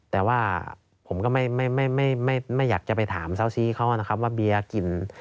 แต่ว่าผมก็ไม่อยากจะไปถามเศร้าซีเขานะครับว่าเบียร์กิน